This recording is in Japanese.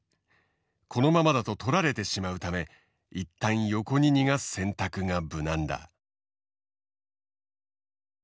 このままだと取られてしまうため一旦横に逃がす選択が無難だ。